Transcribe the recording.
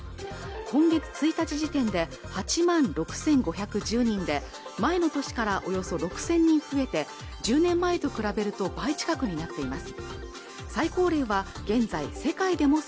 今月１日時点で８万６５１０人で前の年からおよそ６０００人増えて１０年前と比べると倍近くになっています